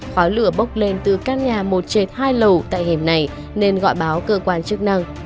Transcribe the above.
khóa lửa bốc lên từ các nhà một chệt hai lầu tại hẻm này nên gọi báo cơ quan chức năng